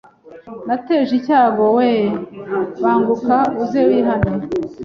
nateje icyago weee banguka uze wihane